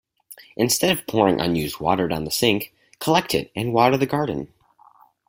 Instead of pouring unused water down the sink, collect it and water the garden.